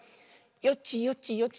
よちよちよち。